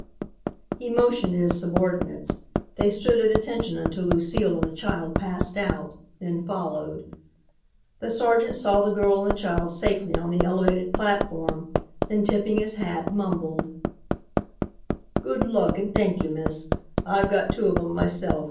He motioned to his subordinates. They stood at attention until Lucile and the child passed out, then followed. The sergeant saw the girl and the child safely on the elevated platform, then, tipping his hat, mumbled: "Good luck and thank y' miss. I've got two of 'em myself.